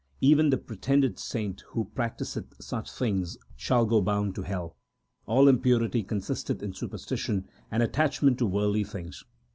ASA KI WAR 243 Nanak, even the pretended saint who practiseth such things, shall go bound to hell. All impurity consisteth in superstition and attachment to worldly things.